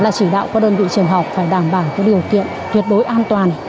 là chỉ đạo của đơn vị trường học phải đảm bảo có điều kiện tuyệt đối an toàn